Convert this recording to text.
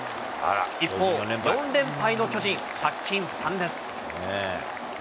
一方、４連敗の巨人、借金３です。